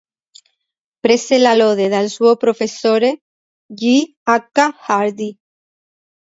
Prese la lode dal suo professore G. H. Hardy.